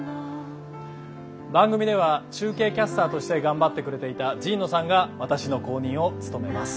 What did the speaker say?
番組では中継キャスターとして頑張ってくれていた神野さんが私の後任を務めます。